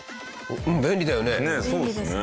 便利だよね。